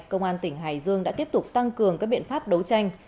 công an tỉnh hải dương đã tiếp tục tăng cường các biện pháp đấu tranh